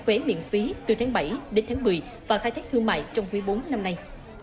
vé miễn phí từ tháng bảy đến tháng một mươi và khai thác thương mại trong quý bốn năm nay